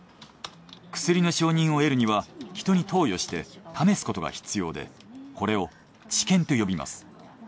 薬の承認を得るには人に投与して試すことが必要でこれを治験と呼びます。